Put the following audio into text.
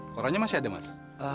koronnya masih ada mas